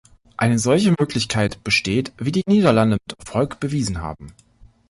Eine solche Möglichkeit besteht, wie die Niederlande mit Erfolg bewiesen haben.